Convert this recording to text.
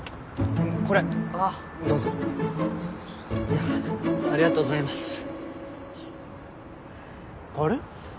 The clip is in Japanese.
これどうぞああありがとうございますあれ？